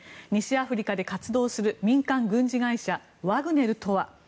西アフリカで活動する民間軍事会社ワグネルとは？